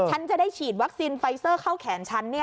ฉันจะได้ฉีดวัคซีนไฟเซอร์เข้าแขนฉัน